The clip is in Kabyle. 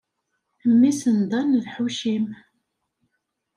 Mmi-s n Dan d Ḥucim.